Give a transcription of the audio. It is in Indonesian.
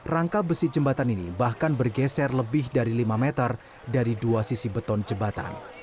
rangka besi jembatan ini bahkan bergeser lebih dari lima meter dari dua sisi beton jembatan